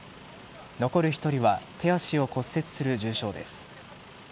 残る１人は手足を骨折する重傷です。